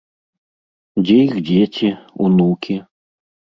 Дзе іх дзеці, унукі?